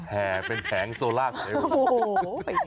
แผ่เป็นแผงโซล่าไหม